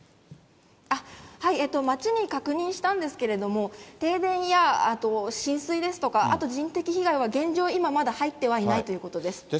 町に確認したんですけれども、停電や浸水ですとか、あと人的被害は現状、今、まだ入ってはいないということです。